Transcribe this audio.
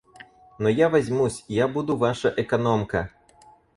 Но я возьмусь, я буду ваша экономка.